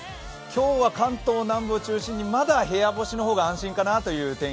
今日は関東南部を中心にまだ部屋干しが安心かなと。